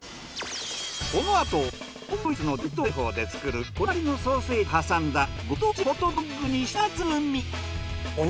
このあと本場ドイツの伝統製法で作るこだわりのソーセージを挟んだご当地ホットドッグに舌鼓。